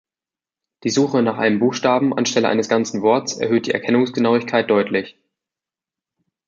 Die Suche nach einem Buchstaben anstelle eines ganzen Worts erhöht die Erkennungsgenauigkeit deutlich.